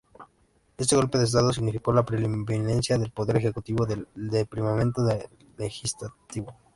Este golpe de Estado significó la preeminencia del poder ejecutivo en detrimento del legislativo.